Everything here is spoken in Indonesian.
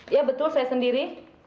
ya betul saya sendiri